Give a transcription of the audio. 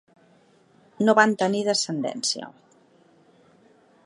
No van tenir descendència.